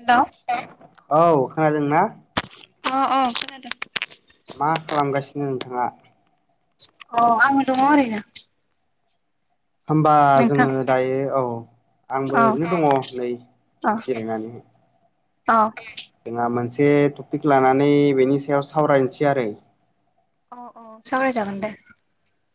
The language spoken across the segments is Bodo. हेलौ औ खोनादों ना? अ अ खोनदों। मा खालामगासिनो नोंथाङा। अ आङो दङ ओरोयनो। होमबा नोंथां जोङो दायो औ आंबो औ ओरैनो दङ नै। औ गिरायनानै औ जोंहा मोनसे टपिक लानानै बेनि सायाव सावरायनोसै आरो। अ अ सागराय जागोन दे।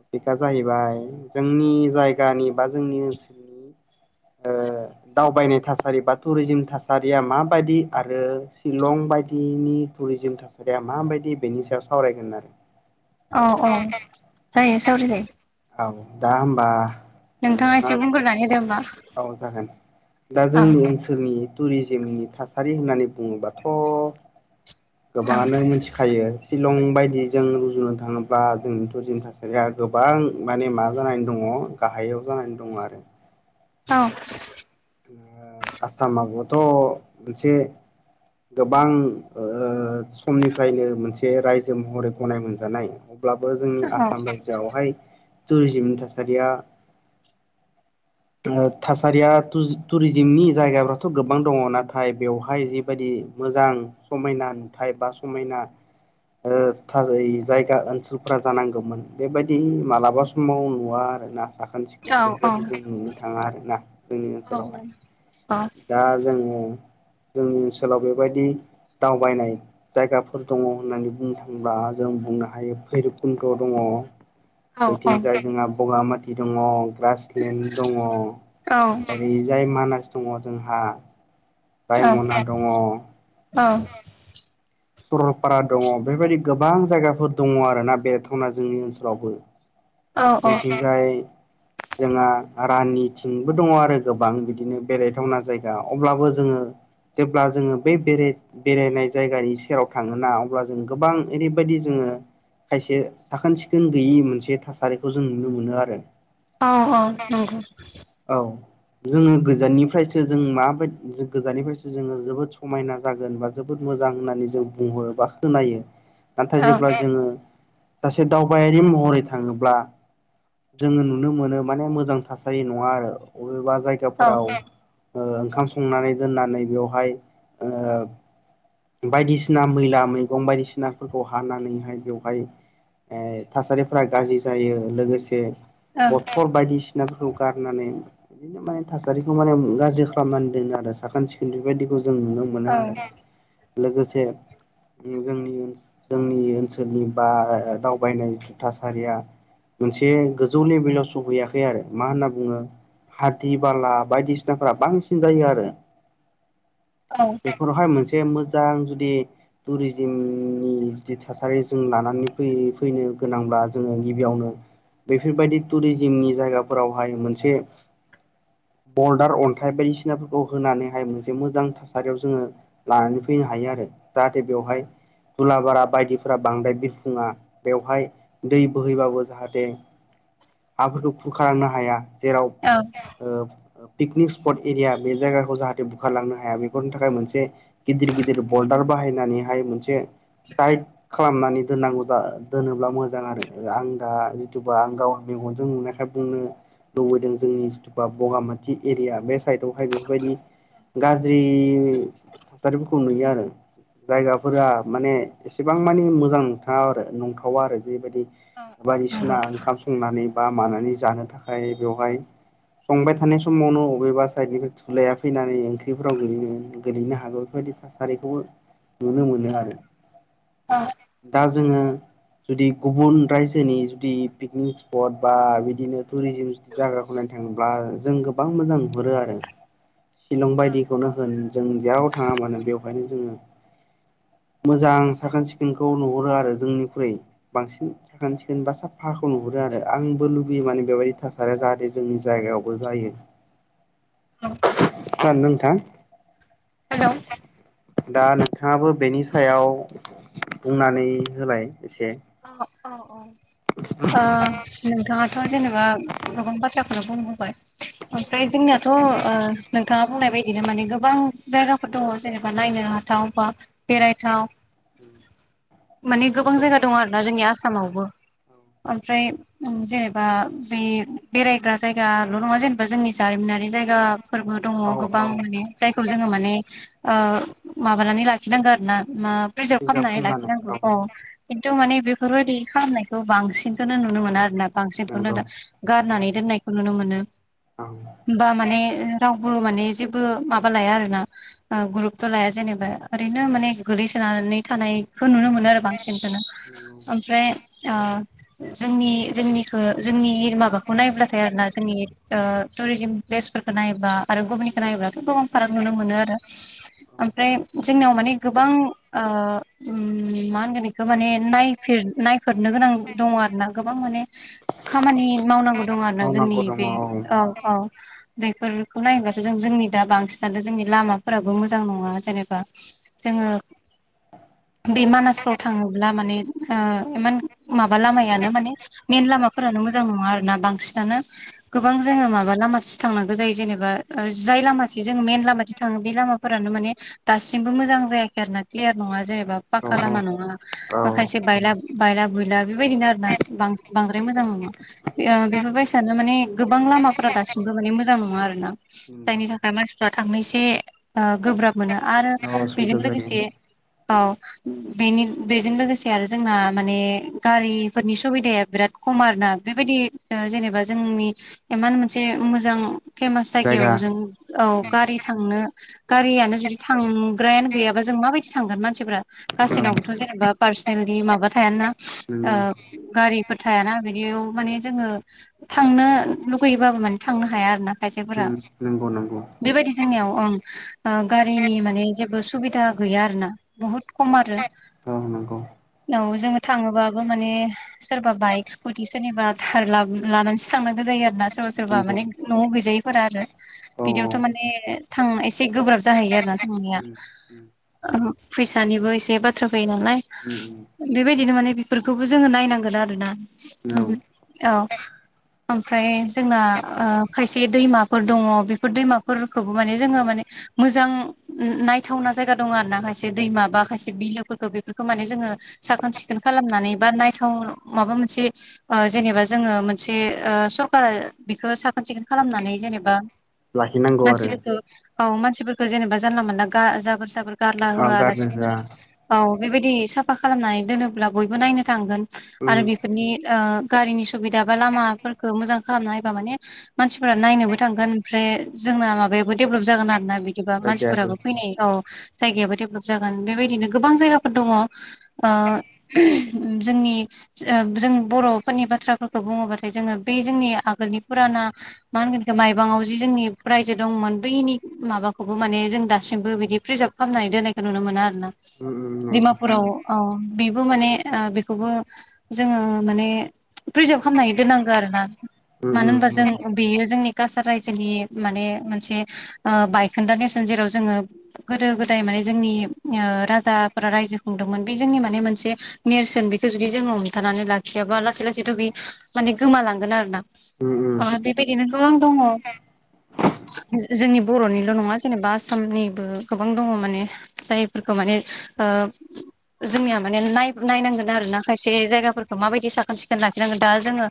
टपिकआ जाहैबाय जोंनि जायगानि बा जोंनि ओनसोलनि। ओ दावबायनाय थासारि बा टुरिजिम थासारिया माबायदि आरो शिलं बायदिनि। टुरिजिम थासारिया माबायदि बेनि सायाव सावरायगोन आरो। औ औ जायो सावराय जायो। औ दा होमबा। एसे नोंथाङा बुंग्रोनानै होदो होमबा औ जागोन दा जों। औ जोंनि टुरिजिमनि थासारि होननानै बुङोबाथ। औ गोबाङानो मिथिखायो। शिलं बायदिजों रुजुनो थाङोब्ला जोंनिथ [unintelligible] थासारिया गोबां। माने मा जानानै दङ गाहायाव जानानै दङ आरो। औ आसामावबोथ मोनसे। गोबां ओ-समनिफ्रायनो मोनसे रायजो महरै गनाय मोनजानाय। अब्लाबो जोंनि आसाम रायजोआवहाय टुरिजिमनि थासारिया। थासारिया टुरिजिमनि जायगाफ्राथ' गोबां दङ नाथाय बेवहाय जिबायदि मोजां समायना नुथाय बा समायना [unintelligible] जायगा ओनसोलफ्रा जानांगौमोन बेबायदि मालाबा समाव नुवा आरोना साखोन सिखोन औ बेफोरबायदि औ जों नुनो मोननो थाङा आरोना जोंनि औ ओनसोलावहाय औ दा जोङो जोंनि ओनसोलाव बेबायदि दावबायनाय जायगाफोर दङ होननानै बुंनो थाङोब्ला जों बुंनो हायो भैरबकुन्द' दङ औ बैथिंजाय जोंहा बगामाथि दङ ग्रास दङ औ ओरैजाय मानास दङ जोंहा रायमना दङ औ सरलपारा दङ बेबायदि गोबां जायगाफोर दङ आरोना बेरायथावना जोंनि ओनसोलावबो औ बैथिंजाय जोंहा राननिथिंबो दङ आरो गोबां बिदिनो बेरायथावना जायगा अब्लाबो जोङो जेब्ला जोङो बै बेराय बेरायनाय जायगानिसो सेराव थाङोना अब्ला जों गोबां ओरैबायदि जोङो खायसे साखोन सिखोन गैयि मोनसे थासारिखौ जों नुनो मोनो आरो। औ औ नंगौ। औ जोङो गोजाननिफ्रायसो जों मा बाय गोजाननिफ्रायसो जोङो जोबोद समायना जागोन बा जोबोद मोजां होननानै जों बुंहरोबा खोनायो नाथाय जेब्ला जोङो सासे दावबायारि महरै थाङोब्ला जोङो नुनो मोनो माने मोजां थासारि नङा आरो बबेबा जायगाफोराव ओंखाम संनानै दोननानै बेवहाय ओ बायदिसिना मैला मैगं बायदिसिनाफोरखौ हानानैहाय बेवहाय थासारिफोरा गाज्रि जायो बथल बायदिसिनाफोरखौ गारनानै बिदिनो माने थासारिखौ माने गाज्रि खालामनानै दोनो आरो साखोन सिखोन बेबायदिखौ जों नुनो मोनो मोनो आरो लोगोसे जों जोंनि ओनसोलनि बा दावबायनाय थासारिया मोनसे गोजौ लेभेलाव सौहैयाखै आरो मा होनना बुङो हाद्रि बाला बायदिसिनाफोरा बांसिन जायो आरो औ बेफोरावहाय मोनसे मोजां जुदि टुरिजिमनि जि थासारि जों लानानै फै-फैनो गोनांब्ला जोङो गिबियावनो बेफोरबायदि टुरिजिमनि जायगाफोरावहाय मोनसे बरडार अन्थाइ बायदिसिनाफोरखौ होनानैहाय मोनसे मोजां थासारियाव जोङो लानानै फैनो हायो आरो जाहाथे बेवहाय दुलाबारा बायदिफोरा बांद्राय बिफुङा बेवहाय दै बोहैबाबो जाहाथे हाफोरखौ खुरखारांनो हायो हाया जेराव पिकनिक स्पट एरिया बे जायगाखौ जाहाथे बुखारलांनो हाया बेफोरनि थाखाय मोनसे गिदिर गिदिर बरडार बाहायनानैहाय मोनसे टाइट खालामनानै दोननांगौ दोनोब्ला मोजां आरो आं दा जिथुबा आं गाव मेगनजों नुनायखाय बुंनो लुबैदों जोंनि जिथुुबा बगामाथि एरिया बे साइदआवहाय बेफोरबायदि गाज्रि थासारिफोरखौ नुयो आरो जायगाफोरा माने एसेबां मानि मोजां नथाङाव आरो नंथावा आरो बेबायदि नंगौ बायदिसिना ओंखाम संनानै बा मानानै जानो थाखाय बेवहाय संबाय थानाय समावनो बबेबा साइडनिफ्राय थुलाया फैनानै ओंख्रिफोराव गो गोलैनो हागौ बेफोरबायदि थासारिखौबो नुनो मोनो आरो अ दा जोङो जुदि गुबुन रायजोनि जुदि पिकनिक स्पट बा बिदिनो टुरिजिम जायगाखौ नायनो थाङोब्ला जों गोबां मोजां नुहुरो आरो शिलं औ बायदिखौनो होन जों जेरयाव थाङा मानो बेवहायनो जोङो मोजां साखोन सिखोनखौ नुहरो आरो जोंनिख्रुइ बांसिन सोन सिखोन बा साफाहाखौ नुहुरो आरो आंबो लुबैयो माने बेबायदि थासारिया जाहाथे जोंनि जायगायावबो जायो औ खोनादोंना नोंथां [unintelligible] दा नोंथाङाबो बेनि सायाव बुंनानै होलाय एसे औ औ नोंथाङाथ' जेनेबा गोबां बाथ्रा आ बुंबोबाय ओमफ्राय जोंनियाथ' नोंथाङा बुंनाय बायदिनो माने गोबां जायगाफोर दङ जेनेबा नायनो हाथाव बा बेरायथाव माने गोबां जायगा दं आरोना जोंनि आसामावबो ओमफ्राय जेनेबा बे बेरायग्रा जायगाल' नङा जेनेबा बा जोंनि जारिमिनारि जायगाफोरबो दङ औ गोबां औ माने जायखौ जोङो माने माबानानै लाखिनांगोन आरोोना मा प्रिजार्भ खालामनानै लाखिनांगौ औ खिन्थु माने बेफोरबायाददि खालामनायखौ बांसिनखौनो नुनो मोना आरोना बांसिनखौनो नंगौ गारनानै दोननायखौ नुनो मोनो औ बा माने रावबो माने जेबो माबा लाया आरोना ग्रुपथ' लाया जेनेबा ओरैनो माने गोलैसोनानै थानायखौ नुनो मोनो आरो बांसिनखोनो‌ नंगौ ओमफ्राय ओ जोंनि जोंनिखो जोंनि माबाखौ नायब्लाथाय आरोना जोंनि टुरिजिम प्लेसफोरखौ नायोबा आरो गुबुननिखौ नंगौ नायोब्लाथ' गोबां फाराग नुनो मोनो आरो औ ओमफ्राय जोंनाव माने गोबां मा होनगोन बेखौ माने नाय नायफेरनो गोनां दङ आरो ना गोबां माने खामानि मावनांगौ दं आरोना जोंनि मावनांगौ दङ बे औ औ बेफोरखौ नायोबथ' जों जोंनि दा बांसिनानो जोंनि लामाफोराबो मोजां नङा जेनेबा जोङो बे मानासफ्राव थाङोब्ला माने इमान माबा लामायानो माने मेन लामाफोरानो मोजां नङा आरो ना बांसिनानो गोबां जोङो माबा लामाथिं थांनांगौ जायो जेनेबा जाय लामाथि जोङो मेन लामाथिं थाङो बे लामा फोरानो माने दासिमबो मोजां जायाखै आरो ना क्लियार नङा जेनेबा औ पाक्का लामा नङा औ खायसे बायला बायला बुयला बेबायदिनो आरोना बांद्राय मोजां मोना बेफोरबायसानो माने गोबां लामाफोरा दासिमबो माने मोजां नङा आरो ना नंगौ जायनि थाखाय मानसिफ्रा थांनो एसे गोब्राब मोनो आरो औ बेजों असुबिदा जायो लोगोसे औ बेनि बेजों लोगोसे आरो जोंना माने गारिफोरनि सुबिदाया बिराद खम आरोना बेबायदि जेनेबा जोंनि इमान मोनसे मोजां फेमास जायगा जायगायाव जों औ गारि थांनो गारियानो जुदि थांग्रायानो गैयाबा जों माबायदि थांगोन मानसिफ्रा औ गासिनावबोथ' जेनेबा फार बेबायदि माबा थायाना नंगौ गारिफोर थायाना बिदियाव माने जोङो थांनो लुगैयोबाबो माने थांनो हाया आरो ना खायसेफोरा नंगौ नंगौ बेबायदि जोंनियाव ओं गारिनि माने जेबो सुबिदा गैया आरो ना बुहुत खम आरो औ नोंगौ औ जोङो थाङोबाबो माने सोरबा बाइक स्कुटि सोरनिबा थार लानानैसो थांनांगौ जायो आरो ना सोरबा सोरबा नंगौ माने न'आव गैजायैफोरा आरो औ बिदियावथ' माने थां एसे गोब्राब जाहैयो आरोना थांनाया फैसानिबो एसे बाथ्रा फैयो नालाय बेबायदिनो माने बेफोरखौबो जोङो नायनांगोन आरोना औ औ ओमफ्राय जोंना ओ खायसे दैमाफोर दङ बेफोर दैमाफोरखौबो माने जोङो माने मोजां नायथावना जायगा दङ आरो ना खायसे दैमा बा खायसे बिलोफोरखौ बे खौ माने जोङो साखोन सिखोन खालामनानै बा नायथाव माबा मोनसे ओ जेनेबा जोङो मोनसे सरखारा बेखौ साखोन सिखोन खालामनानै जेनेबा लाखिनांगौ आरो मानसिफोरखौ औ मानसिफोरखौ जेनेबा जानला मोनला जाबोर जाबोर गारला गारनो होआलासिनो होआ माने औ बेबायदि साफा खालामनानै दोनोब्ला बयबो नायनो थांगोन आरो बेफोरनि गारिनि सुबिदा बा लामाफोरखौ मोजां खालामना होयोबा माने मानसिफोरा नायनोबो थांगोन ओमफ्राय जोंना माबायाबो डेभेलप जागोन आरो ना बिदि बिदिबा मानसिफोराबो जायगायाबो फैनाय औ जायगायाबो डेभेलप जागोन बेबायदिनो गोबां जायगाफोर दङ ओ उ जोंनि जों बर'फोरनि बाथ्राफोरखौ बुङोबाथाय जोङो बे जोंनि आगोलनि फुराना मा होनगोन इखो माइबाङाव जि जोंनि रायजो दंमोन बैनि माबाखौबो माने जों दासिमबो बिदि प्रिजार्भ खालामामनानै दोननायखौ नुनो मोनो आरो ना दिडमापुराव औ बेबो माने ओ बेखौबो जोङो माने रिजार्भ खालामनानै दोननांगौ आरो ना मानो होनबा नंगौ जों बेयो जोंनि काछार रायजोनि माने मोनसे बायखोन्दा नेरसोन जेराव जोङो गोदो गोदाय माने जोंनि ओ राजाफोरा रायजो खुंदोंमोन बे जोंनि माने मोनसे नेरसोन बेखौ जुदि जोङो हमथानानै लाखियाबा लासै लासैथ' बि माने गोमालांगोन आरो ना उम उम अ बेबायदिनो दङ जोंनि बर'निल' नङा जेनेबा आसामनिबो गोबां दङ माने जायफोरखौ माने ओ जोंनिया माने नाय नायनांगोन आरोना खायसे जायगाफोरखौ माबायदि साखोन सिखोन लाखिनांगोन दा जोङो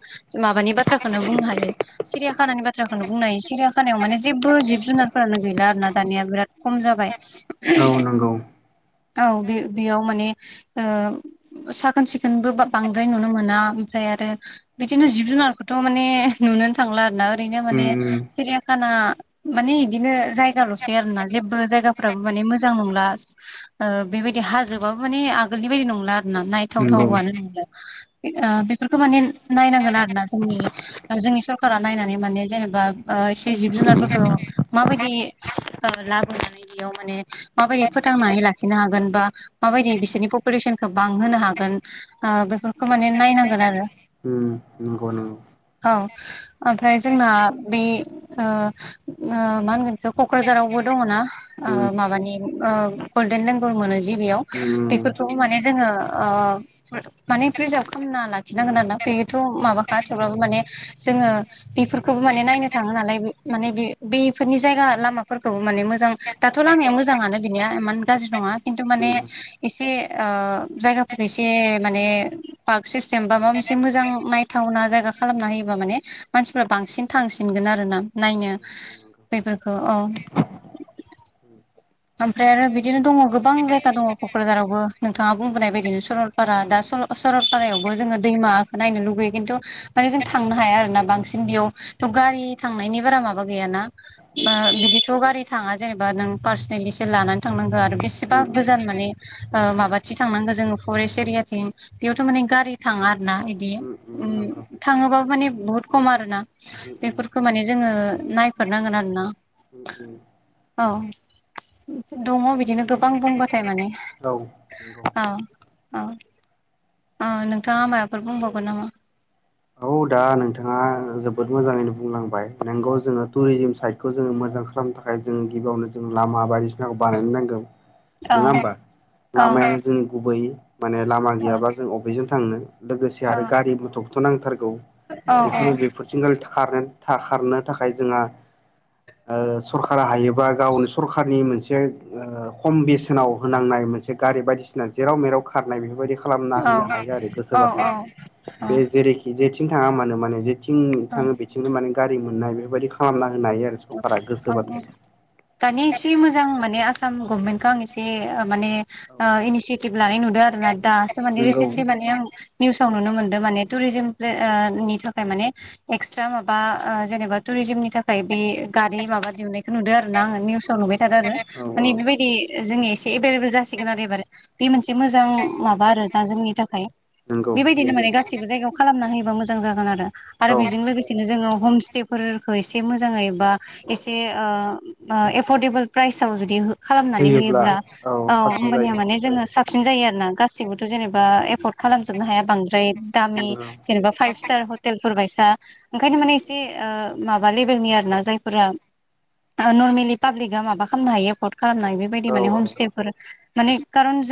माबानि बाथ्राखौनो बुंनो हायो सिरियाखानानि बाथ्राखौनो बुंनो हायो सिरियााखानायाव माने जेबो जिब जुनारफोरानो गैला आरोना दानिया बिराद खम जाबाय औ नंगौ औ बे बेयाव माने ओ साखोन सिखोनबो बांद्राय नुनो मोना ओमफ्राय आरो बिदिनो जिब जुनारखौथ' माने नुनो थांला आरोना ओरैनो माने उम उम सिरियाखाना माने इदिनो जायगाल'सै आरोना जेबो जायगाफ्राबो माने मोजां नंला ओ बेबायदि हाजोबाबो माने आगोलनि बायदि नंला आरोना नंगौ नायथावथावनो नंला बेफोरखौ माने नायनांगोन आरो ना जोंनि जोंनि सरकारा नायनानै माने जेनेबा एसे जिब जुनारफोरखौ माबायदि लाबोनानै बेयाव माने माबायदि फोथांनानै लाखि लाखिनो हागोन बा माबायदि बिसोरनि पपुलेसनखौ बांहोनो हागोन ओ बेफोरखौ माने नायनांगोन आरो उम नंगौ नोंगौ औ ओमफ्राय जोंना बे ओ ओ मा होनगोन क'क्राझारावबो दङना ओ उम माबानि ओ गल्डेन लेंगल मोनो जि बेयाव उम बेफोरखौबो माने जोङो ओ माने प्रिजार्भ खालामना लाखिनांगोन आरोना बेयोथ' माबाखा थेवब्लाबो माने जोङो बेफोरखौबो माने नायनो थाङो नालाय माने बे बेफोरनि जायगा लामाफोरखौबो माने मोजां दाथ' लामाया मोजाङानो बिनिया इमान गाज्रि नङा खिन्थु माने उम एसे ओ जायगाफोरखौ एसे माने पार्क सिस्टेम बा माबा मोनसे मोजां नायथावना जायगा खालामना होयोबा माने मानसिफ्रा बांसिन थांसिनगोन आरो ना नायनो बेफोरखौ औ ओमफ्राय आरो बिदिनो दङ गोबां जायगा दङ क'क्राझारावबो नोंथाङा बुंबोनाय बायदिनो सरल [unintelligible] दा सरलपारायावबो जोङो दैमाखौ नायनो लुगैयो खिन्थु माने जों थांनो हाया आरो ना बांसिन बेयाव थ' गारि थांनायनि बारा माबा गैयाना बिदिथ' गारि थाङा जेनेबा नों पार्स [unintelligible] लानानै थांनांगौ आरो बेसेबा गोजान माने माबाथिं थांनांगौ जोङो फरेस्ट एरियाथिं बेयावथ' माने गारि थाङा आरो ना बिदि थाङोबाबो माने बहुत खम आरो ना। बेफोरखौ माने जोङो नायफेरनांगोन आरोना औ। दङ बिदिनो गोबां बुंबाथाय माने औ नंगौ औ औ औ नोंथाङा माबाफोर बुंबावगोन नामा? औ दा नोंथाङा जोबोद मोजाङैनो बुंलांबाय नोंगौ जोङो टुरिजिम साइडखौ जोङो मोजां खालामनो थाखाय ओमफ्राय जों गिबियावनो जों लामा बायदिसिनाखौ बानायनो नांगौ। औ नङा होमबा औ लामाया जों गुबैय माने लामा औ गैयाबा जों बबेजों थांनो लोगोसे औ आरो गारि [unintelligible] नांथारगौ औ बेखनो [unintelligible] खारनो थाखाय जोंहा सरकारा हायोबा गावनो सरखारनि मोनसे खम बेसेनाव होनांनाय मोनसे गारि बायदिसिना' जेराव मेराव खारनाय बेफोरबायदि खालामना औ होनो हायो आरो गोसोबाथाय औ बे औ जेरै जेथिं थाङा मानो माने जेथिं थाङो बेथिंनो माने गारि मोननाय बेफोरबायदि खालामना होनो हायो आरो। सरकारा गोसोबाथाय दानि एसे मोजां माने आसाम गभमेन्टखौ आं एसे माने औ इनिसियेटिभ लानाय नुदों आरोना दासो माने नंगौ रिसेन्टलि माने आं निउसाव नुनो मोन्दों माने टुरिजिम प्लेओ नि थाखाय माने एक्सट्रा माबा ओ जेनेबा टुरिजमनि थाखाय बे गारि माबा दिहुननायखौ नुदो आरोना आङो निउसाव नुबाय थादों आरो। नंगौ औ माने औ बेबायदि जोंनि एसे एभेलेबेल जासिगोन आरो एबार बे मोनसे मोजां माबा आरो दा जोंनि थाखाय नंगौ बेबायदिनो बे माने गासिबो जायगायाव खालामना होयोबा मोजां जागोन आरो औ बेजों लोगोसेनो जोङो हमस्टे फोरफोरखौ एसे मोजां जोङो एबा एसे ओ एफोर्डेबोल प्रायसआव जुदि हो खालामनानै होयोब्ला औ होमबानिया माने जोङो साप साबसिन जायो आरो ना गासिबोथ' जेनेबा एफर्ड खालामजोबनो हाया बांद्राय दामि नंगौ जेनेबा फाइप स्तार हतेलफोर बायसा ओंखायनो माने एसे ओ माबा लै [unintelligible] आरोना जायफोरा नरमेलि पाब्लिकआ माबा खालामनो हायो एफर्ड खालामनो हायो बेबायदि माने औ औ हमस्टे फोर माने कारन जों